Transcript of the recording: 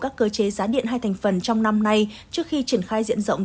các cơ chế giá điện hai thành phần trong năm nay trước khi triển khai diện rộng